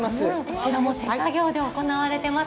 こちらも手作業で行われています。